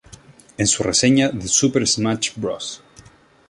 En su reseña de Super Smash Bros.